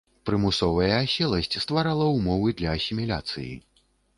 Прымусовая аселасць стварала ўмовы для асіміляцыі.